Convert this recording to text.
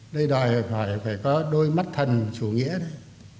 đây đòi hỏi phải có đôi mắt thần chủ nghĩa đấy